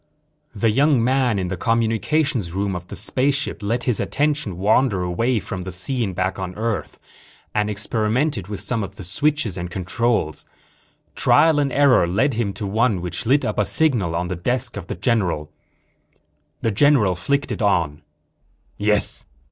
The young man in the communications room of the spaceship let his attention wander away from the scene back on Earth and experimented with some of the switches and controls. Trial and error led him to one which lit up a signal on the desk of the general. The general flicked it on. "Yes?"